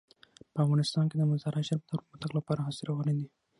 په افغانستان کې د مزارشریف د پرمختګ لپاره هڅې روانې دي.